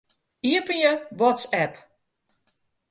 Iepenje WhatsApp.